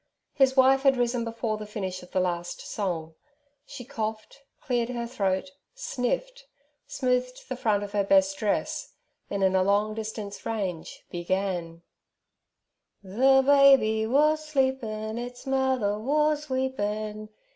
His wife had risen before the finish of the last song; she coughed, cleared her throat, sniffed, smoothed the front of her best dress, then in a long distance range began: 'Ther bibee wors sleepin', eets mother wors weepin'.